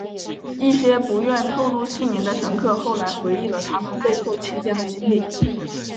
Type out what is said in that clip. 一些不愿透露姓名的乘客后来回忆了他们被扣期间的经历。